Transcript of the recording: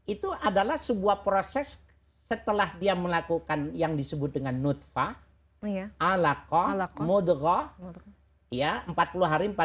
itu adalah sebuah proses setelah dia melakukan yang disebut dengan nutfah alaqa mudhah empat puluh hari